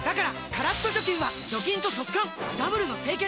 カラッと除菌は除菌と速乾ダブルの清潔！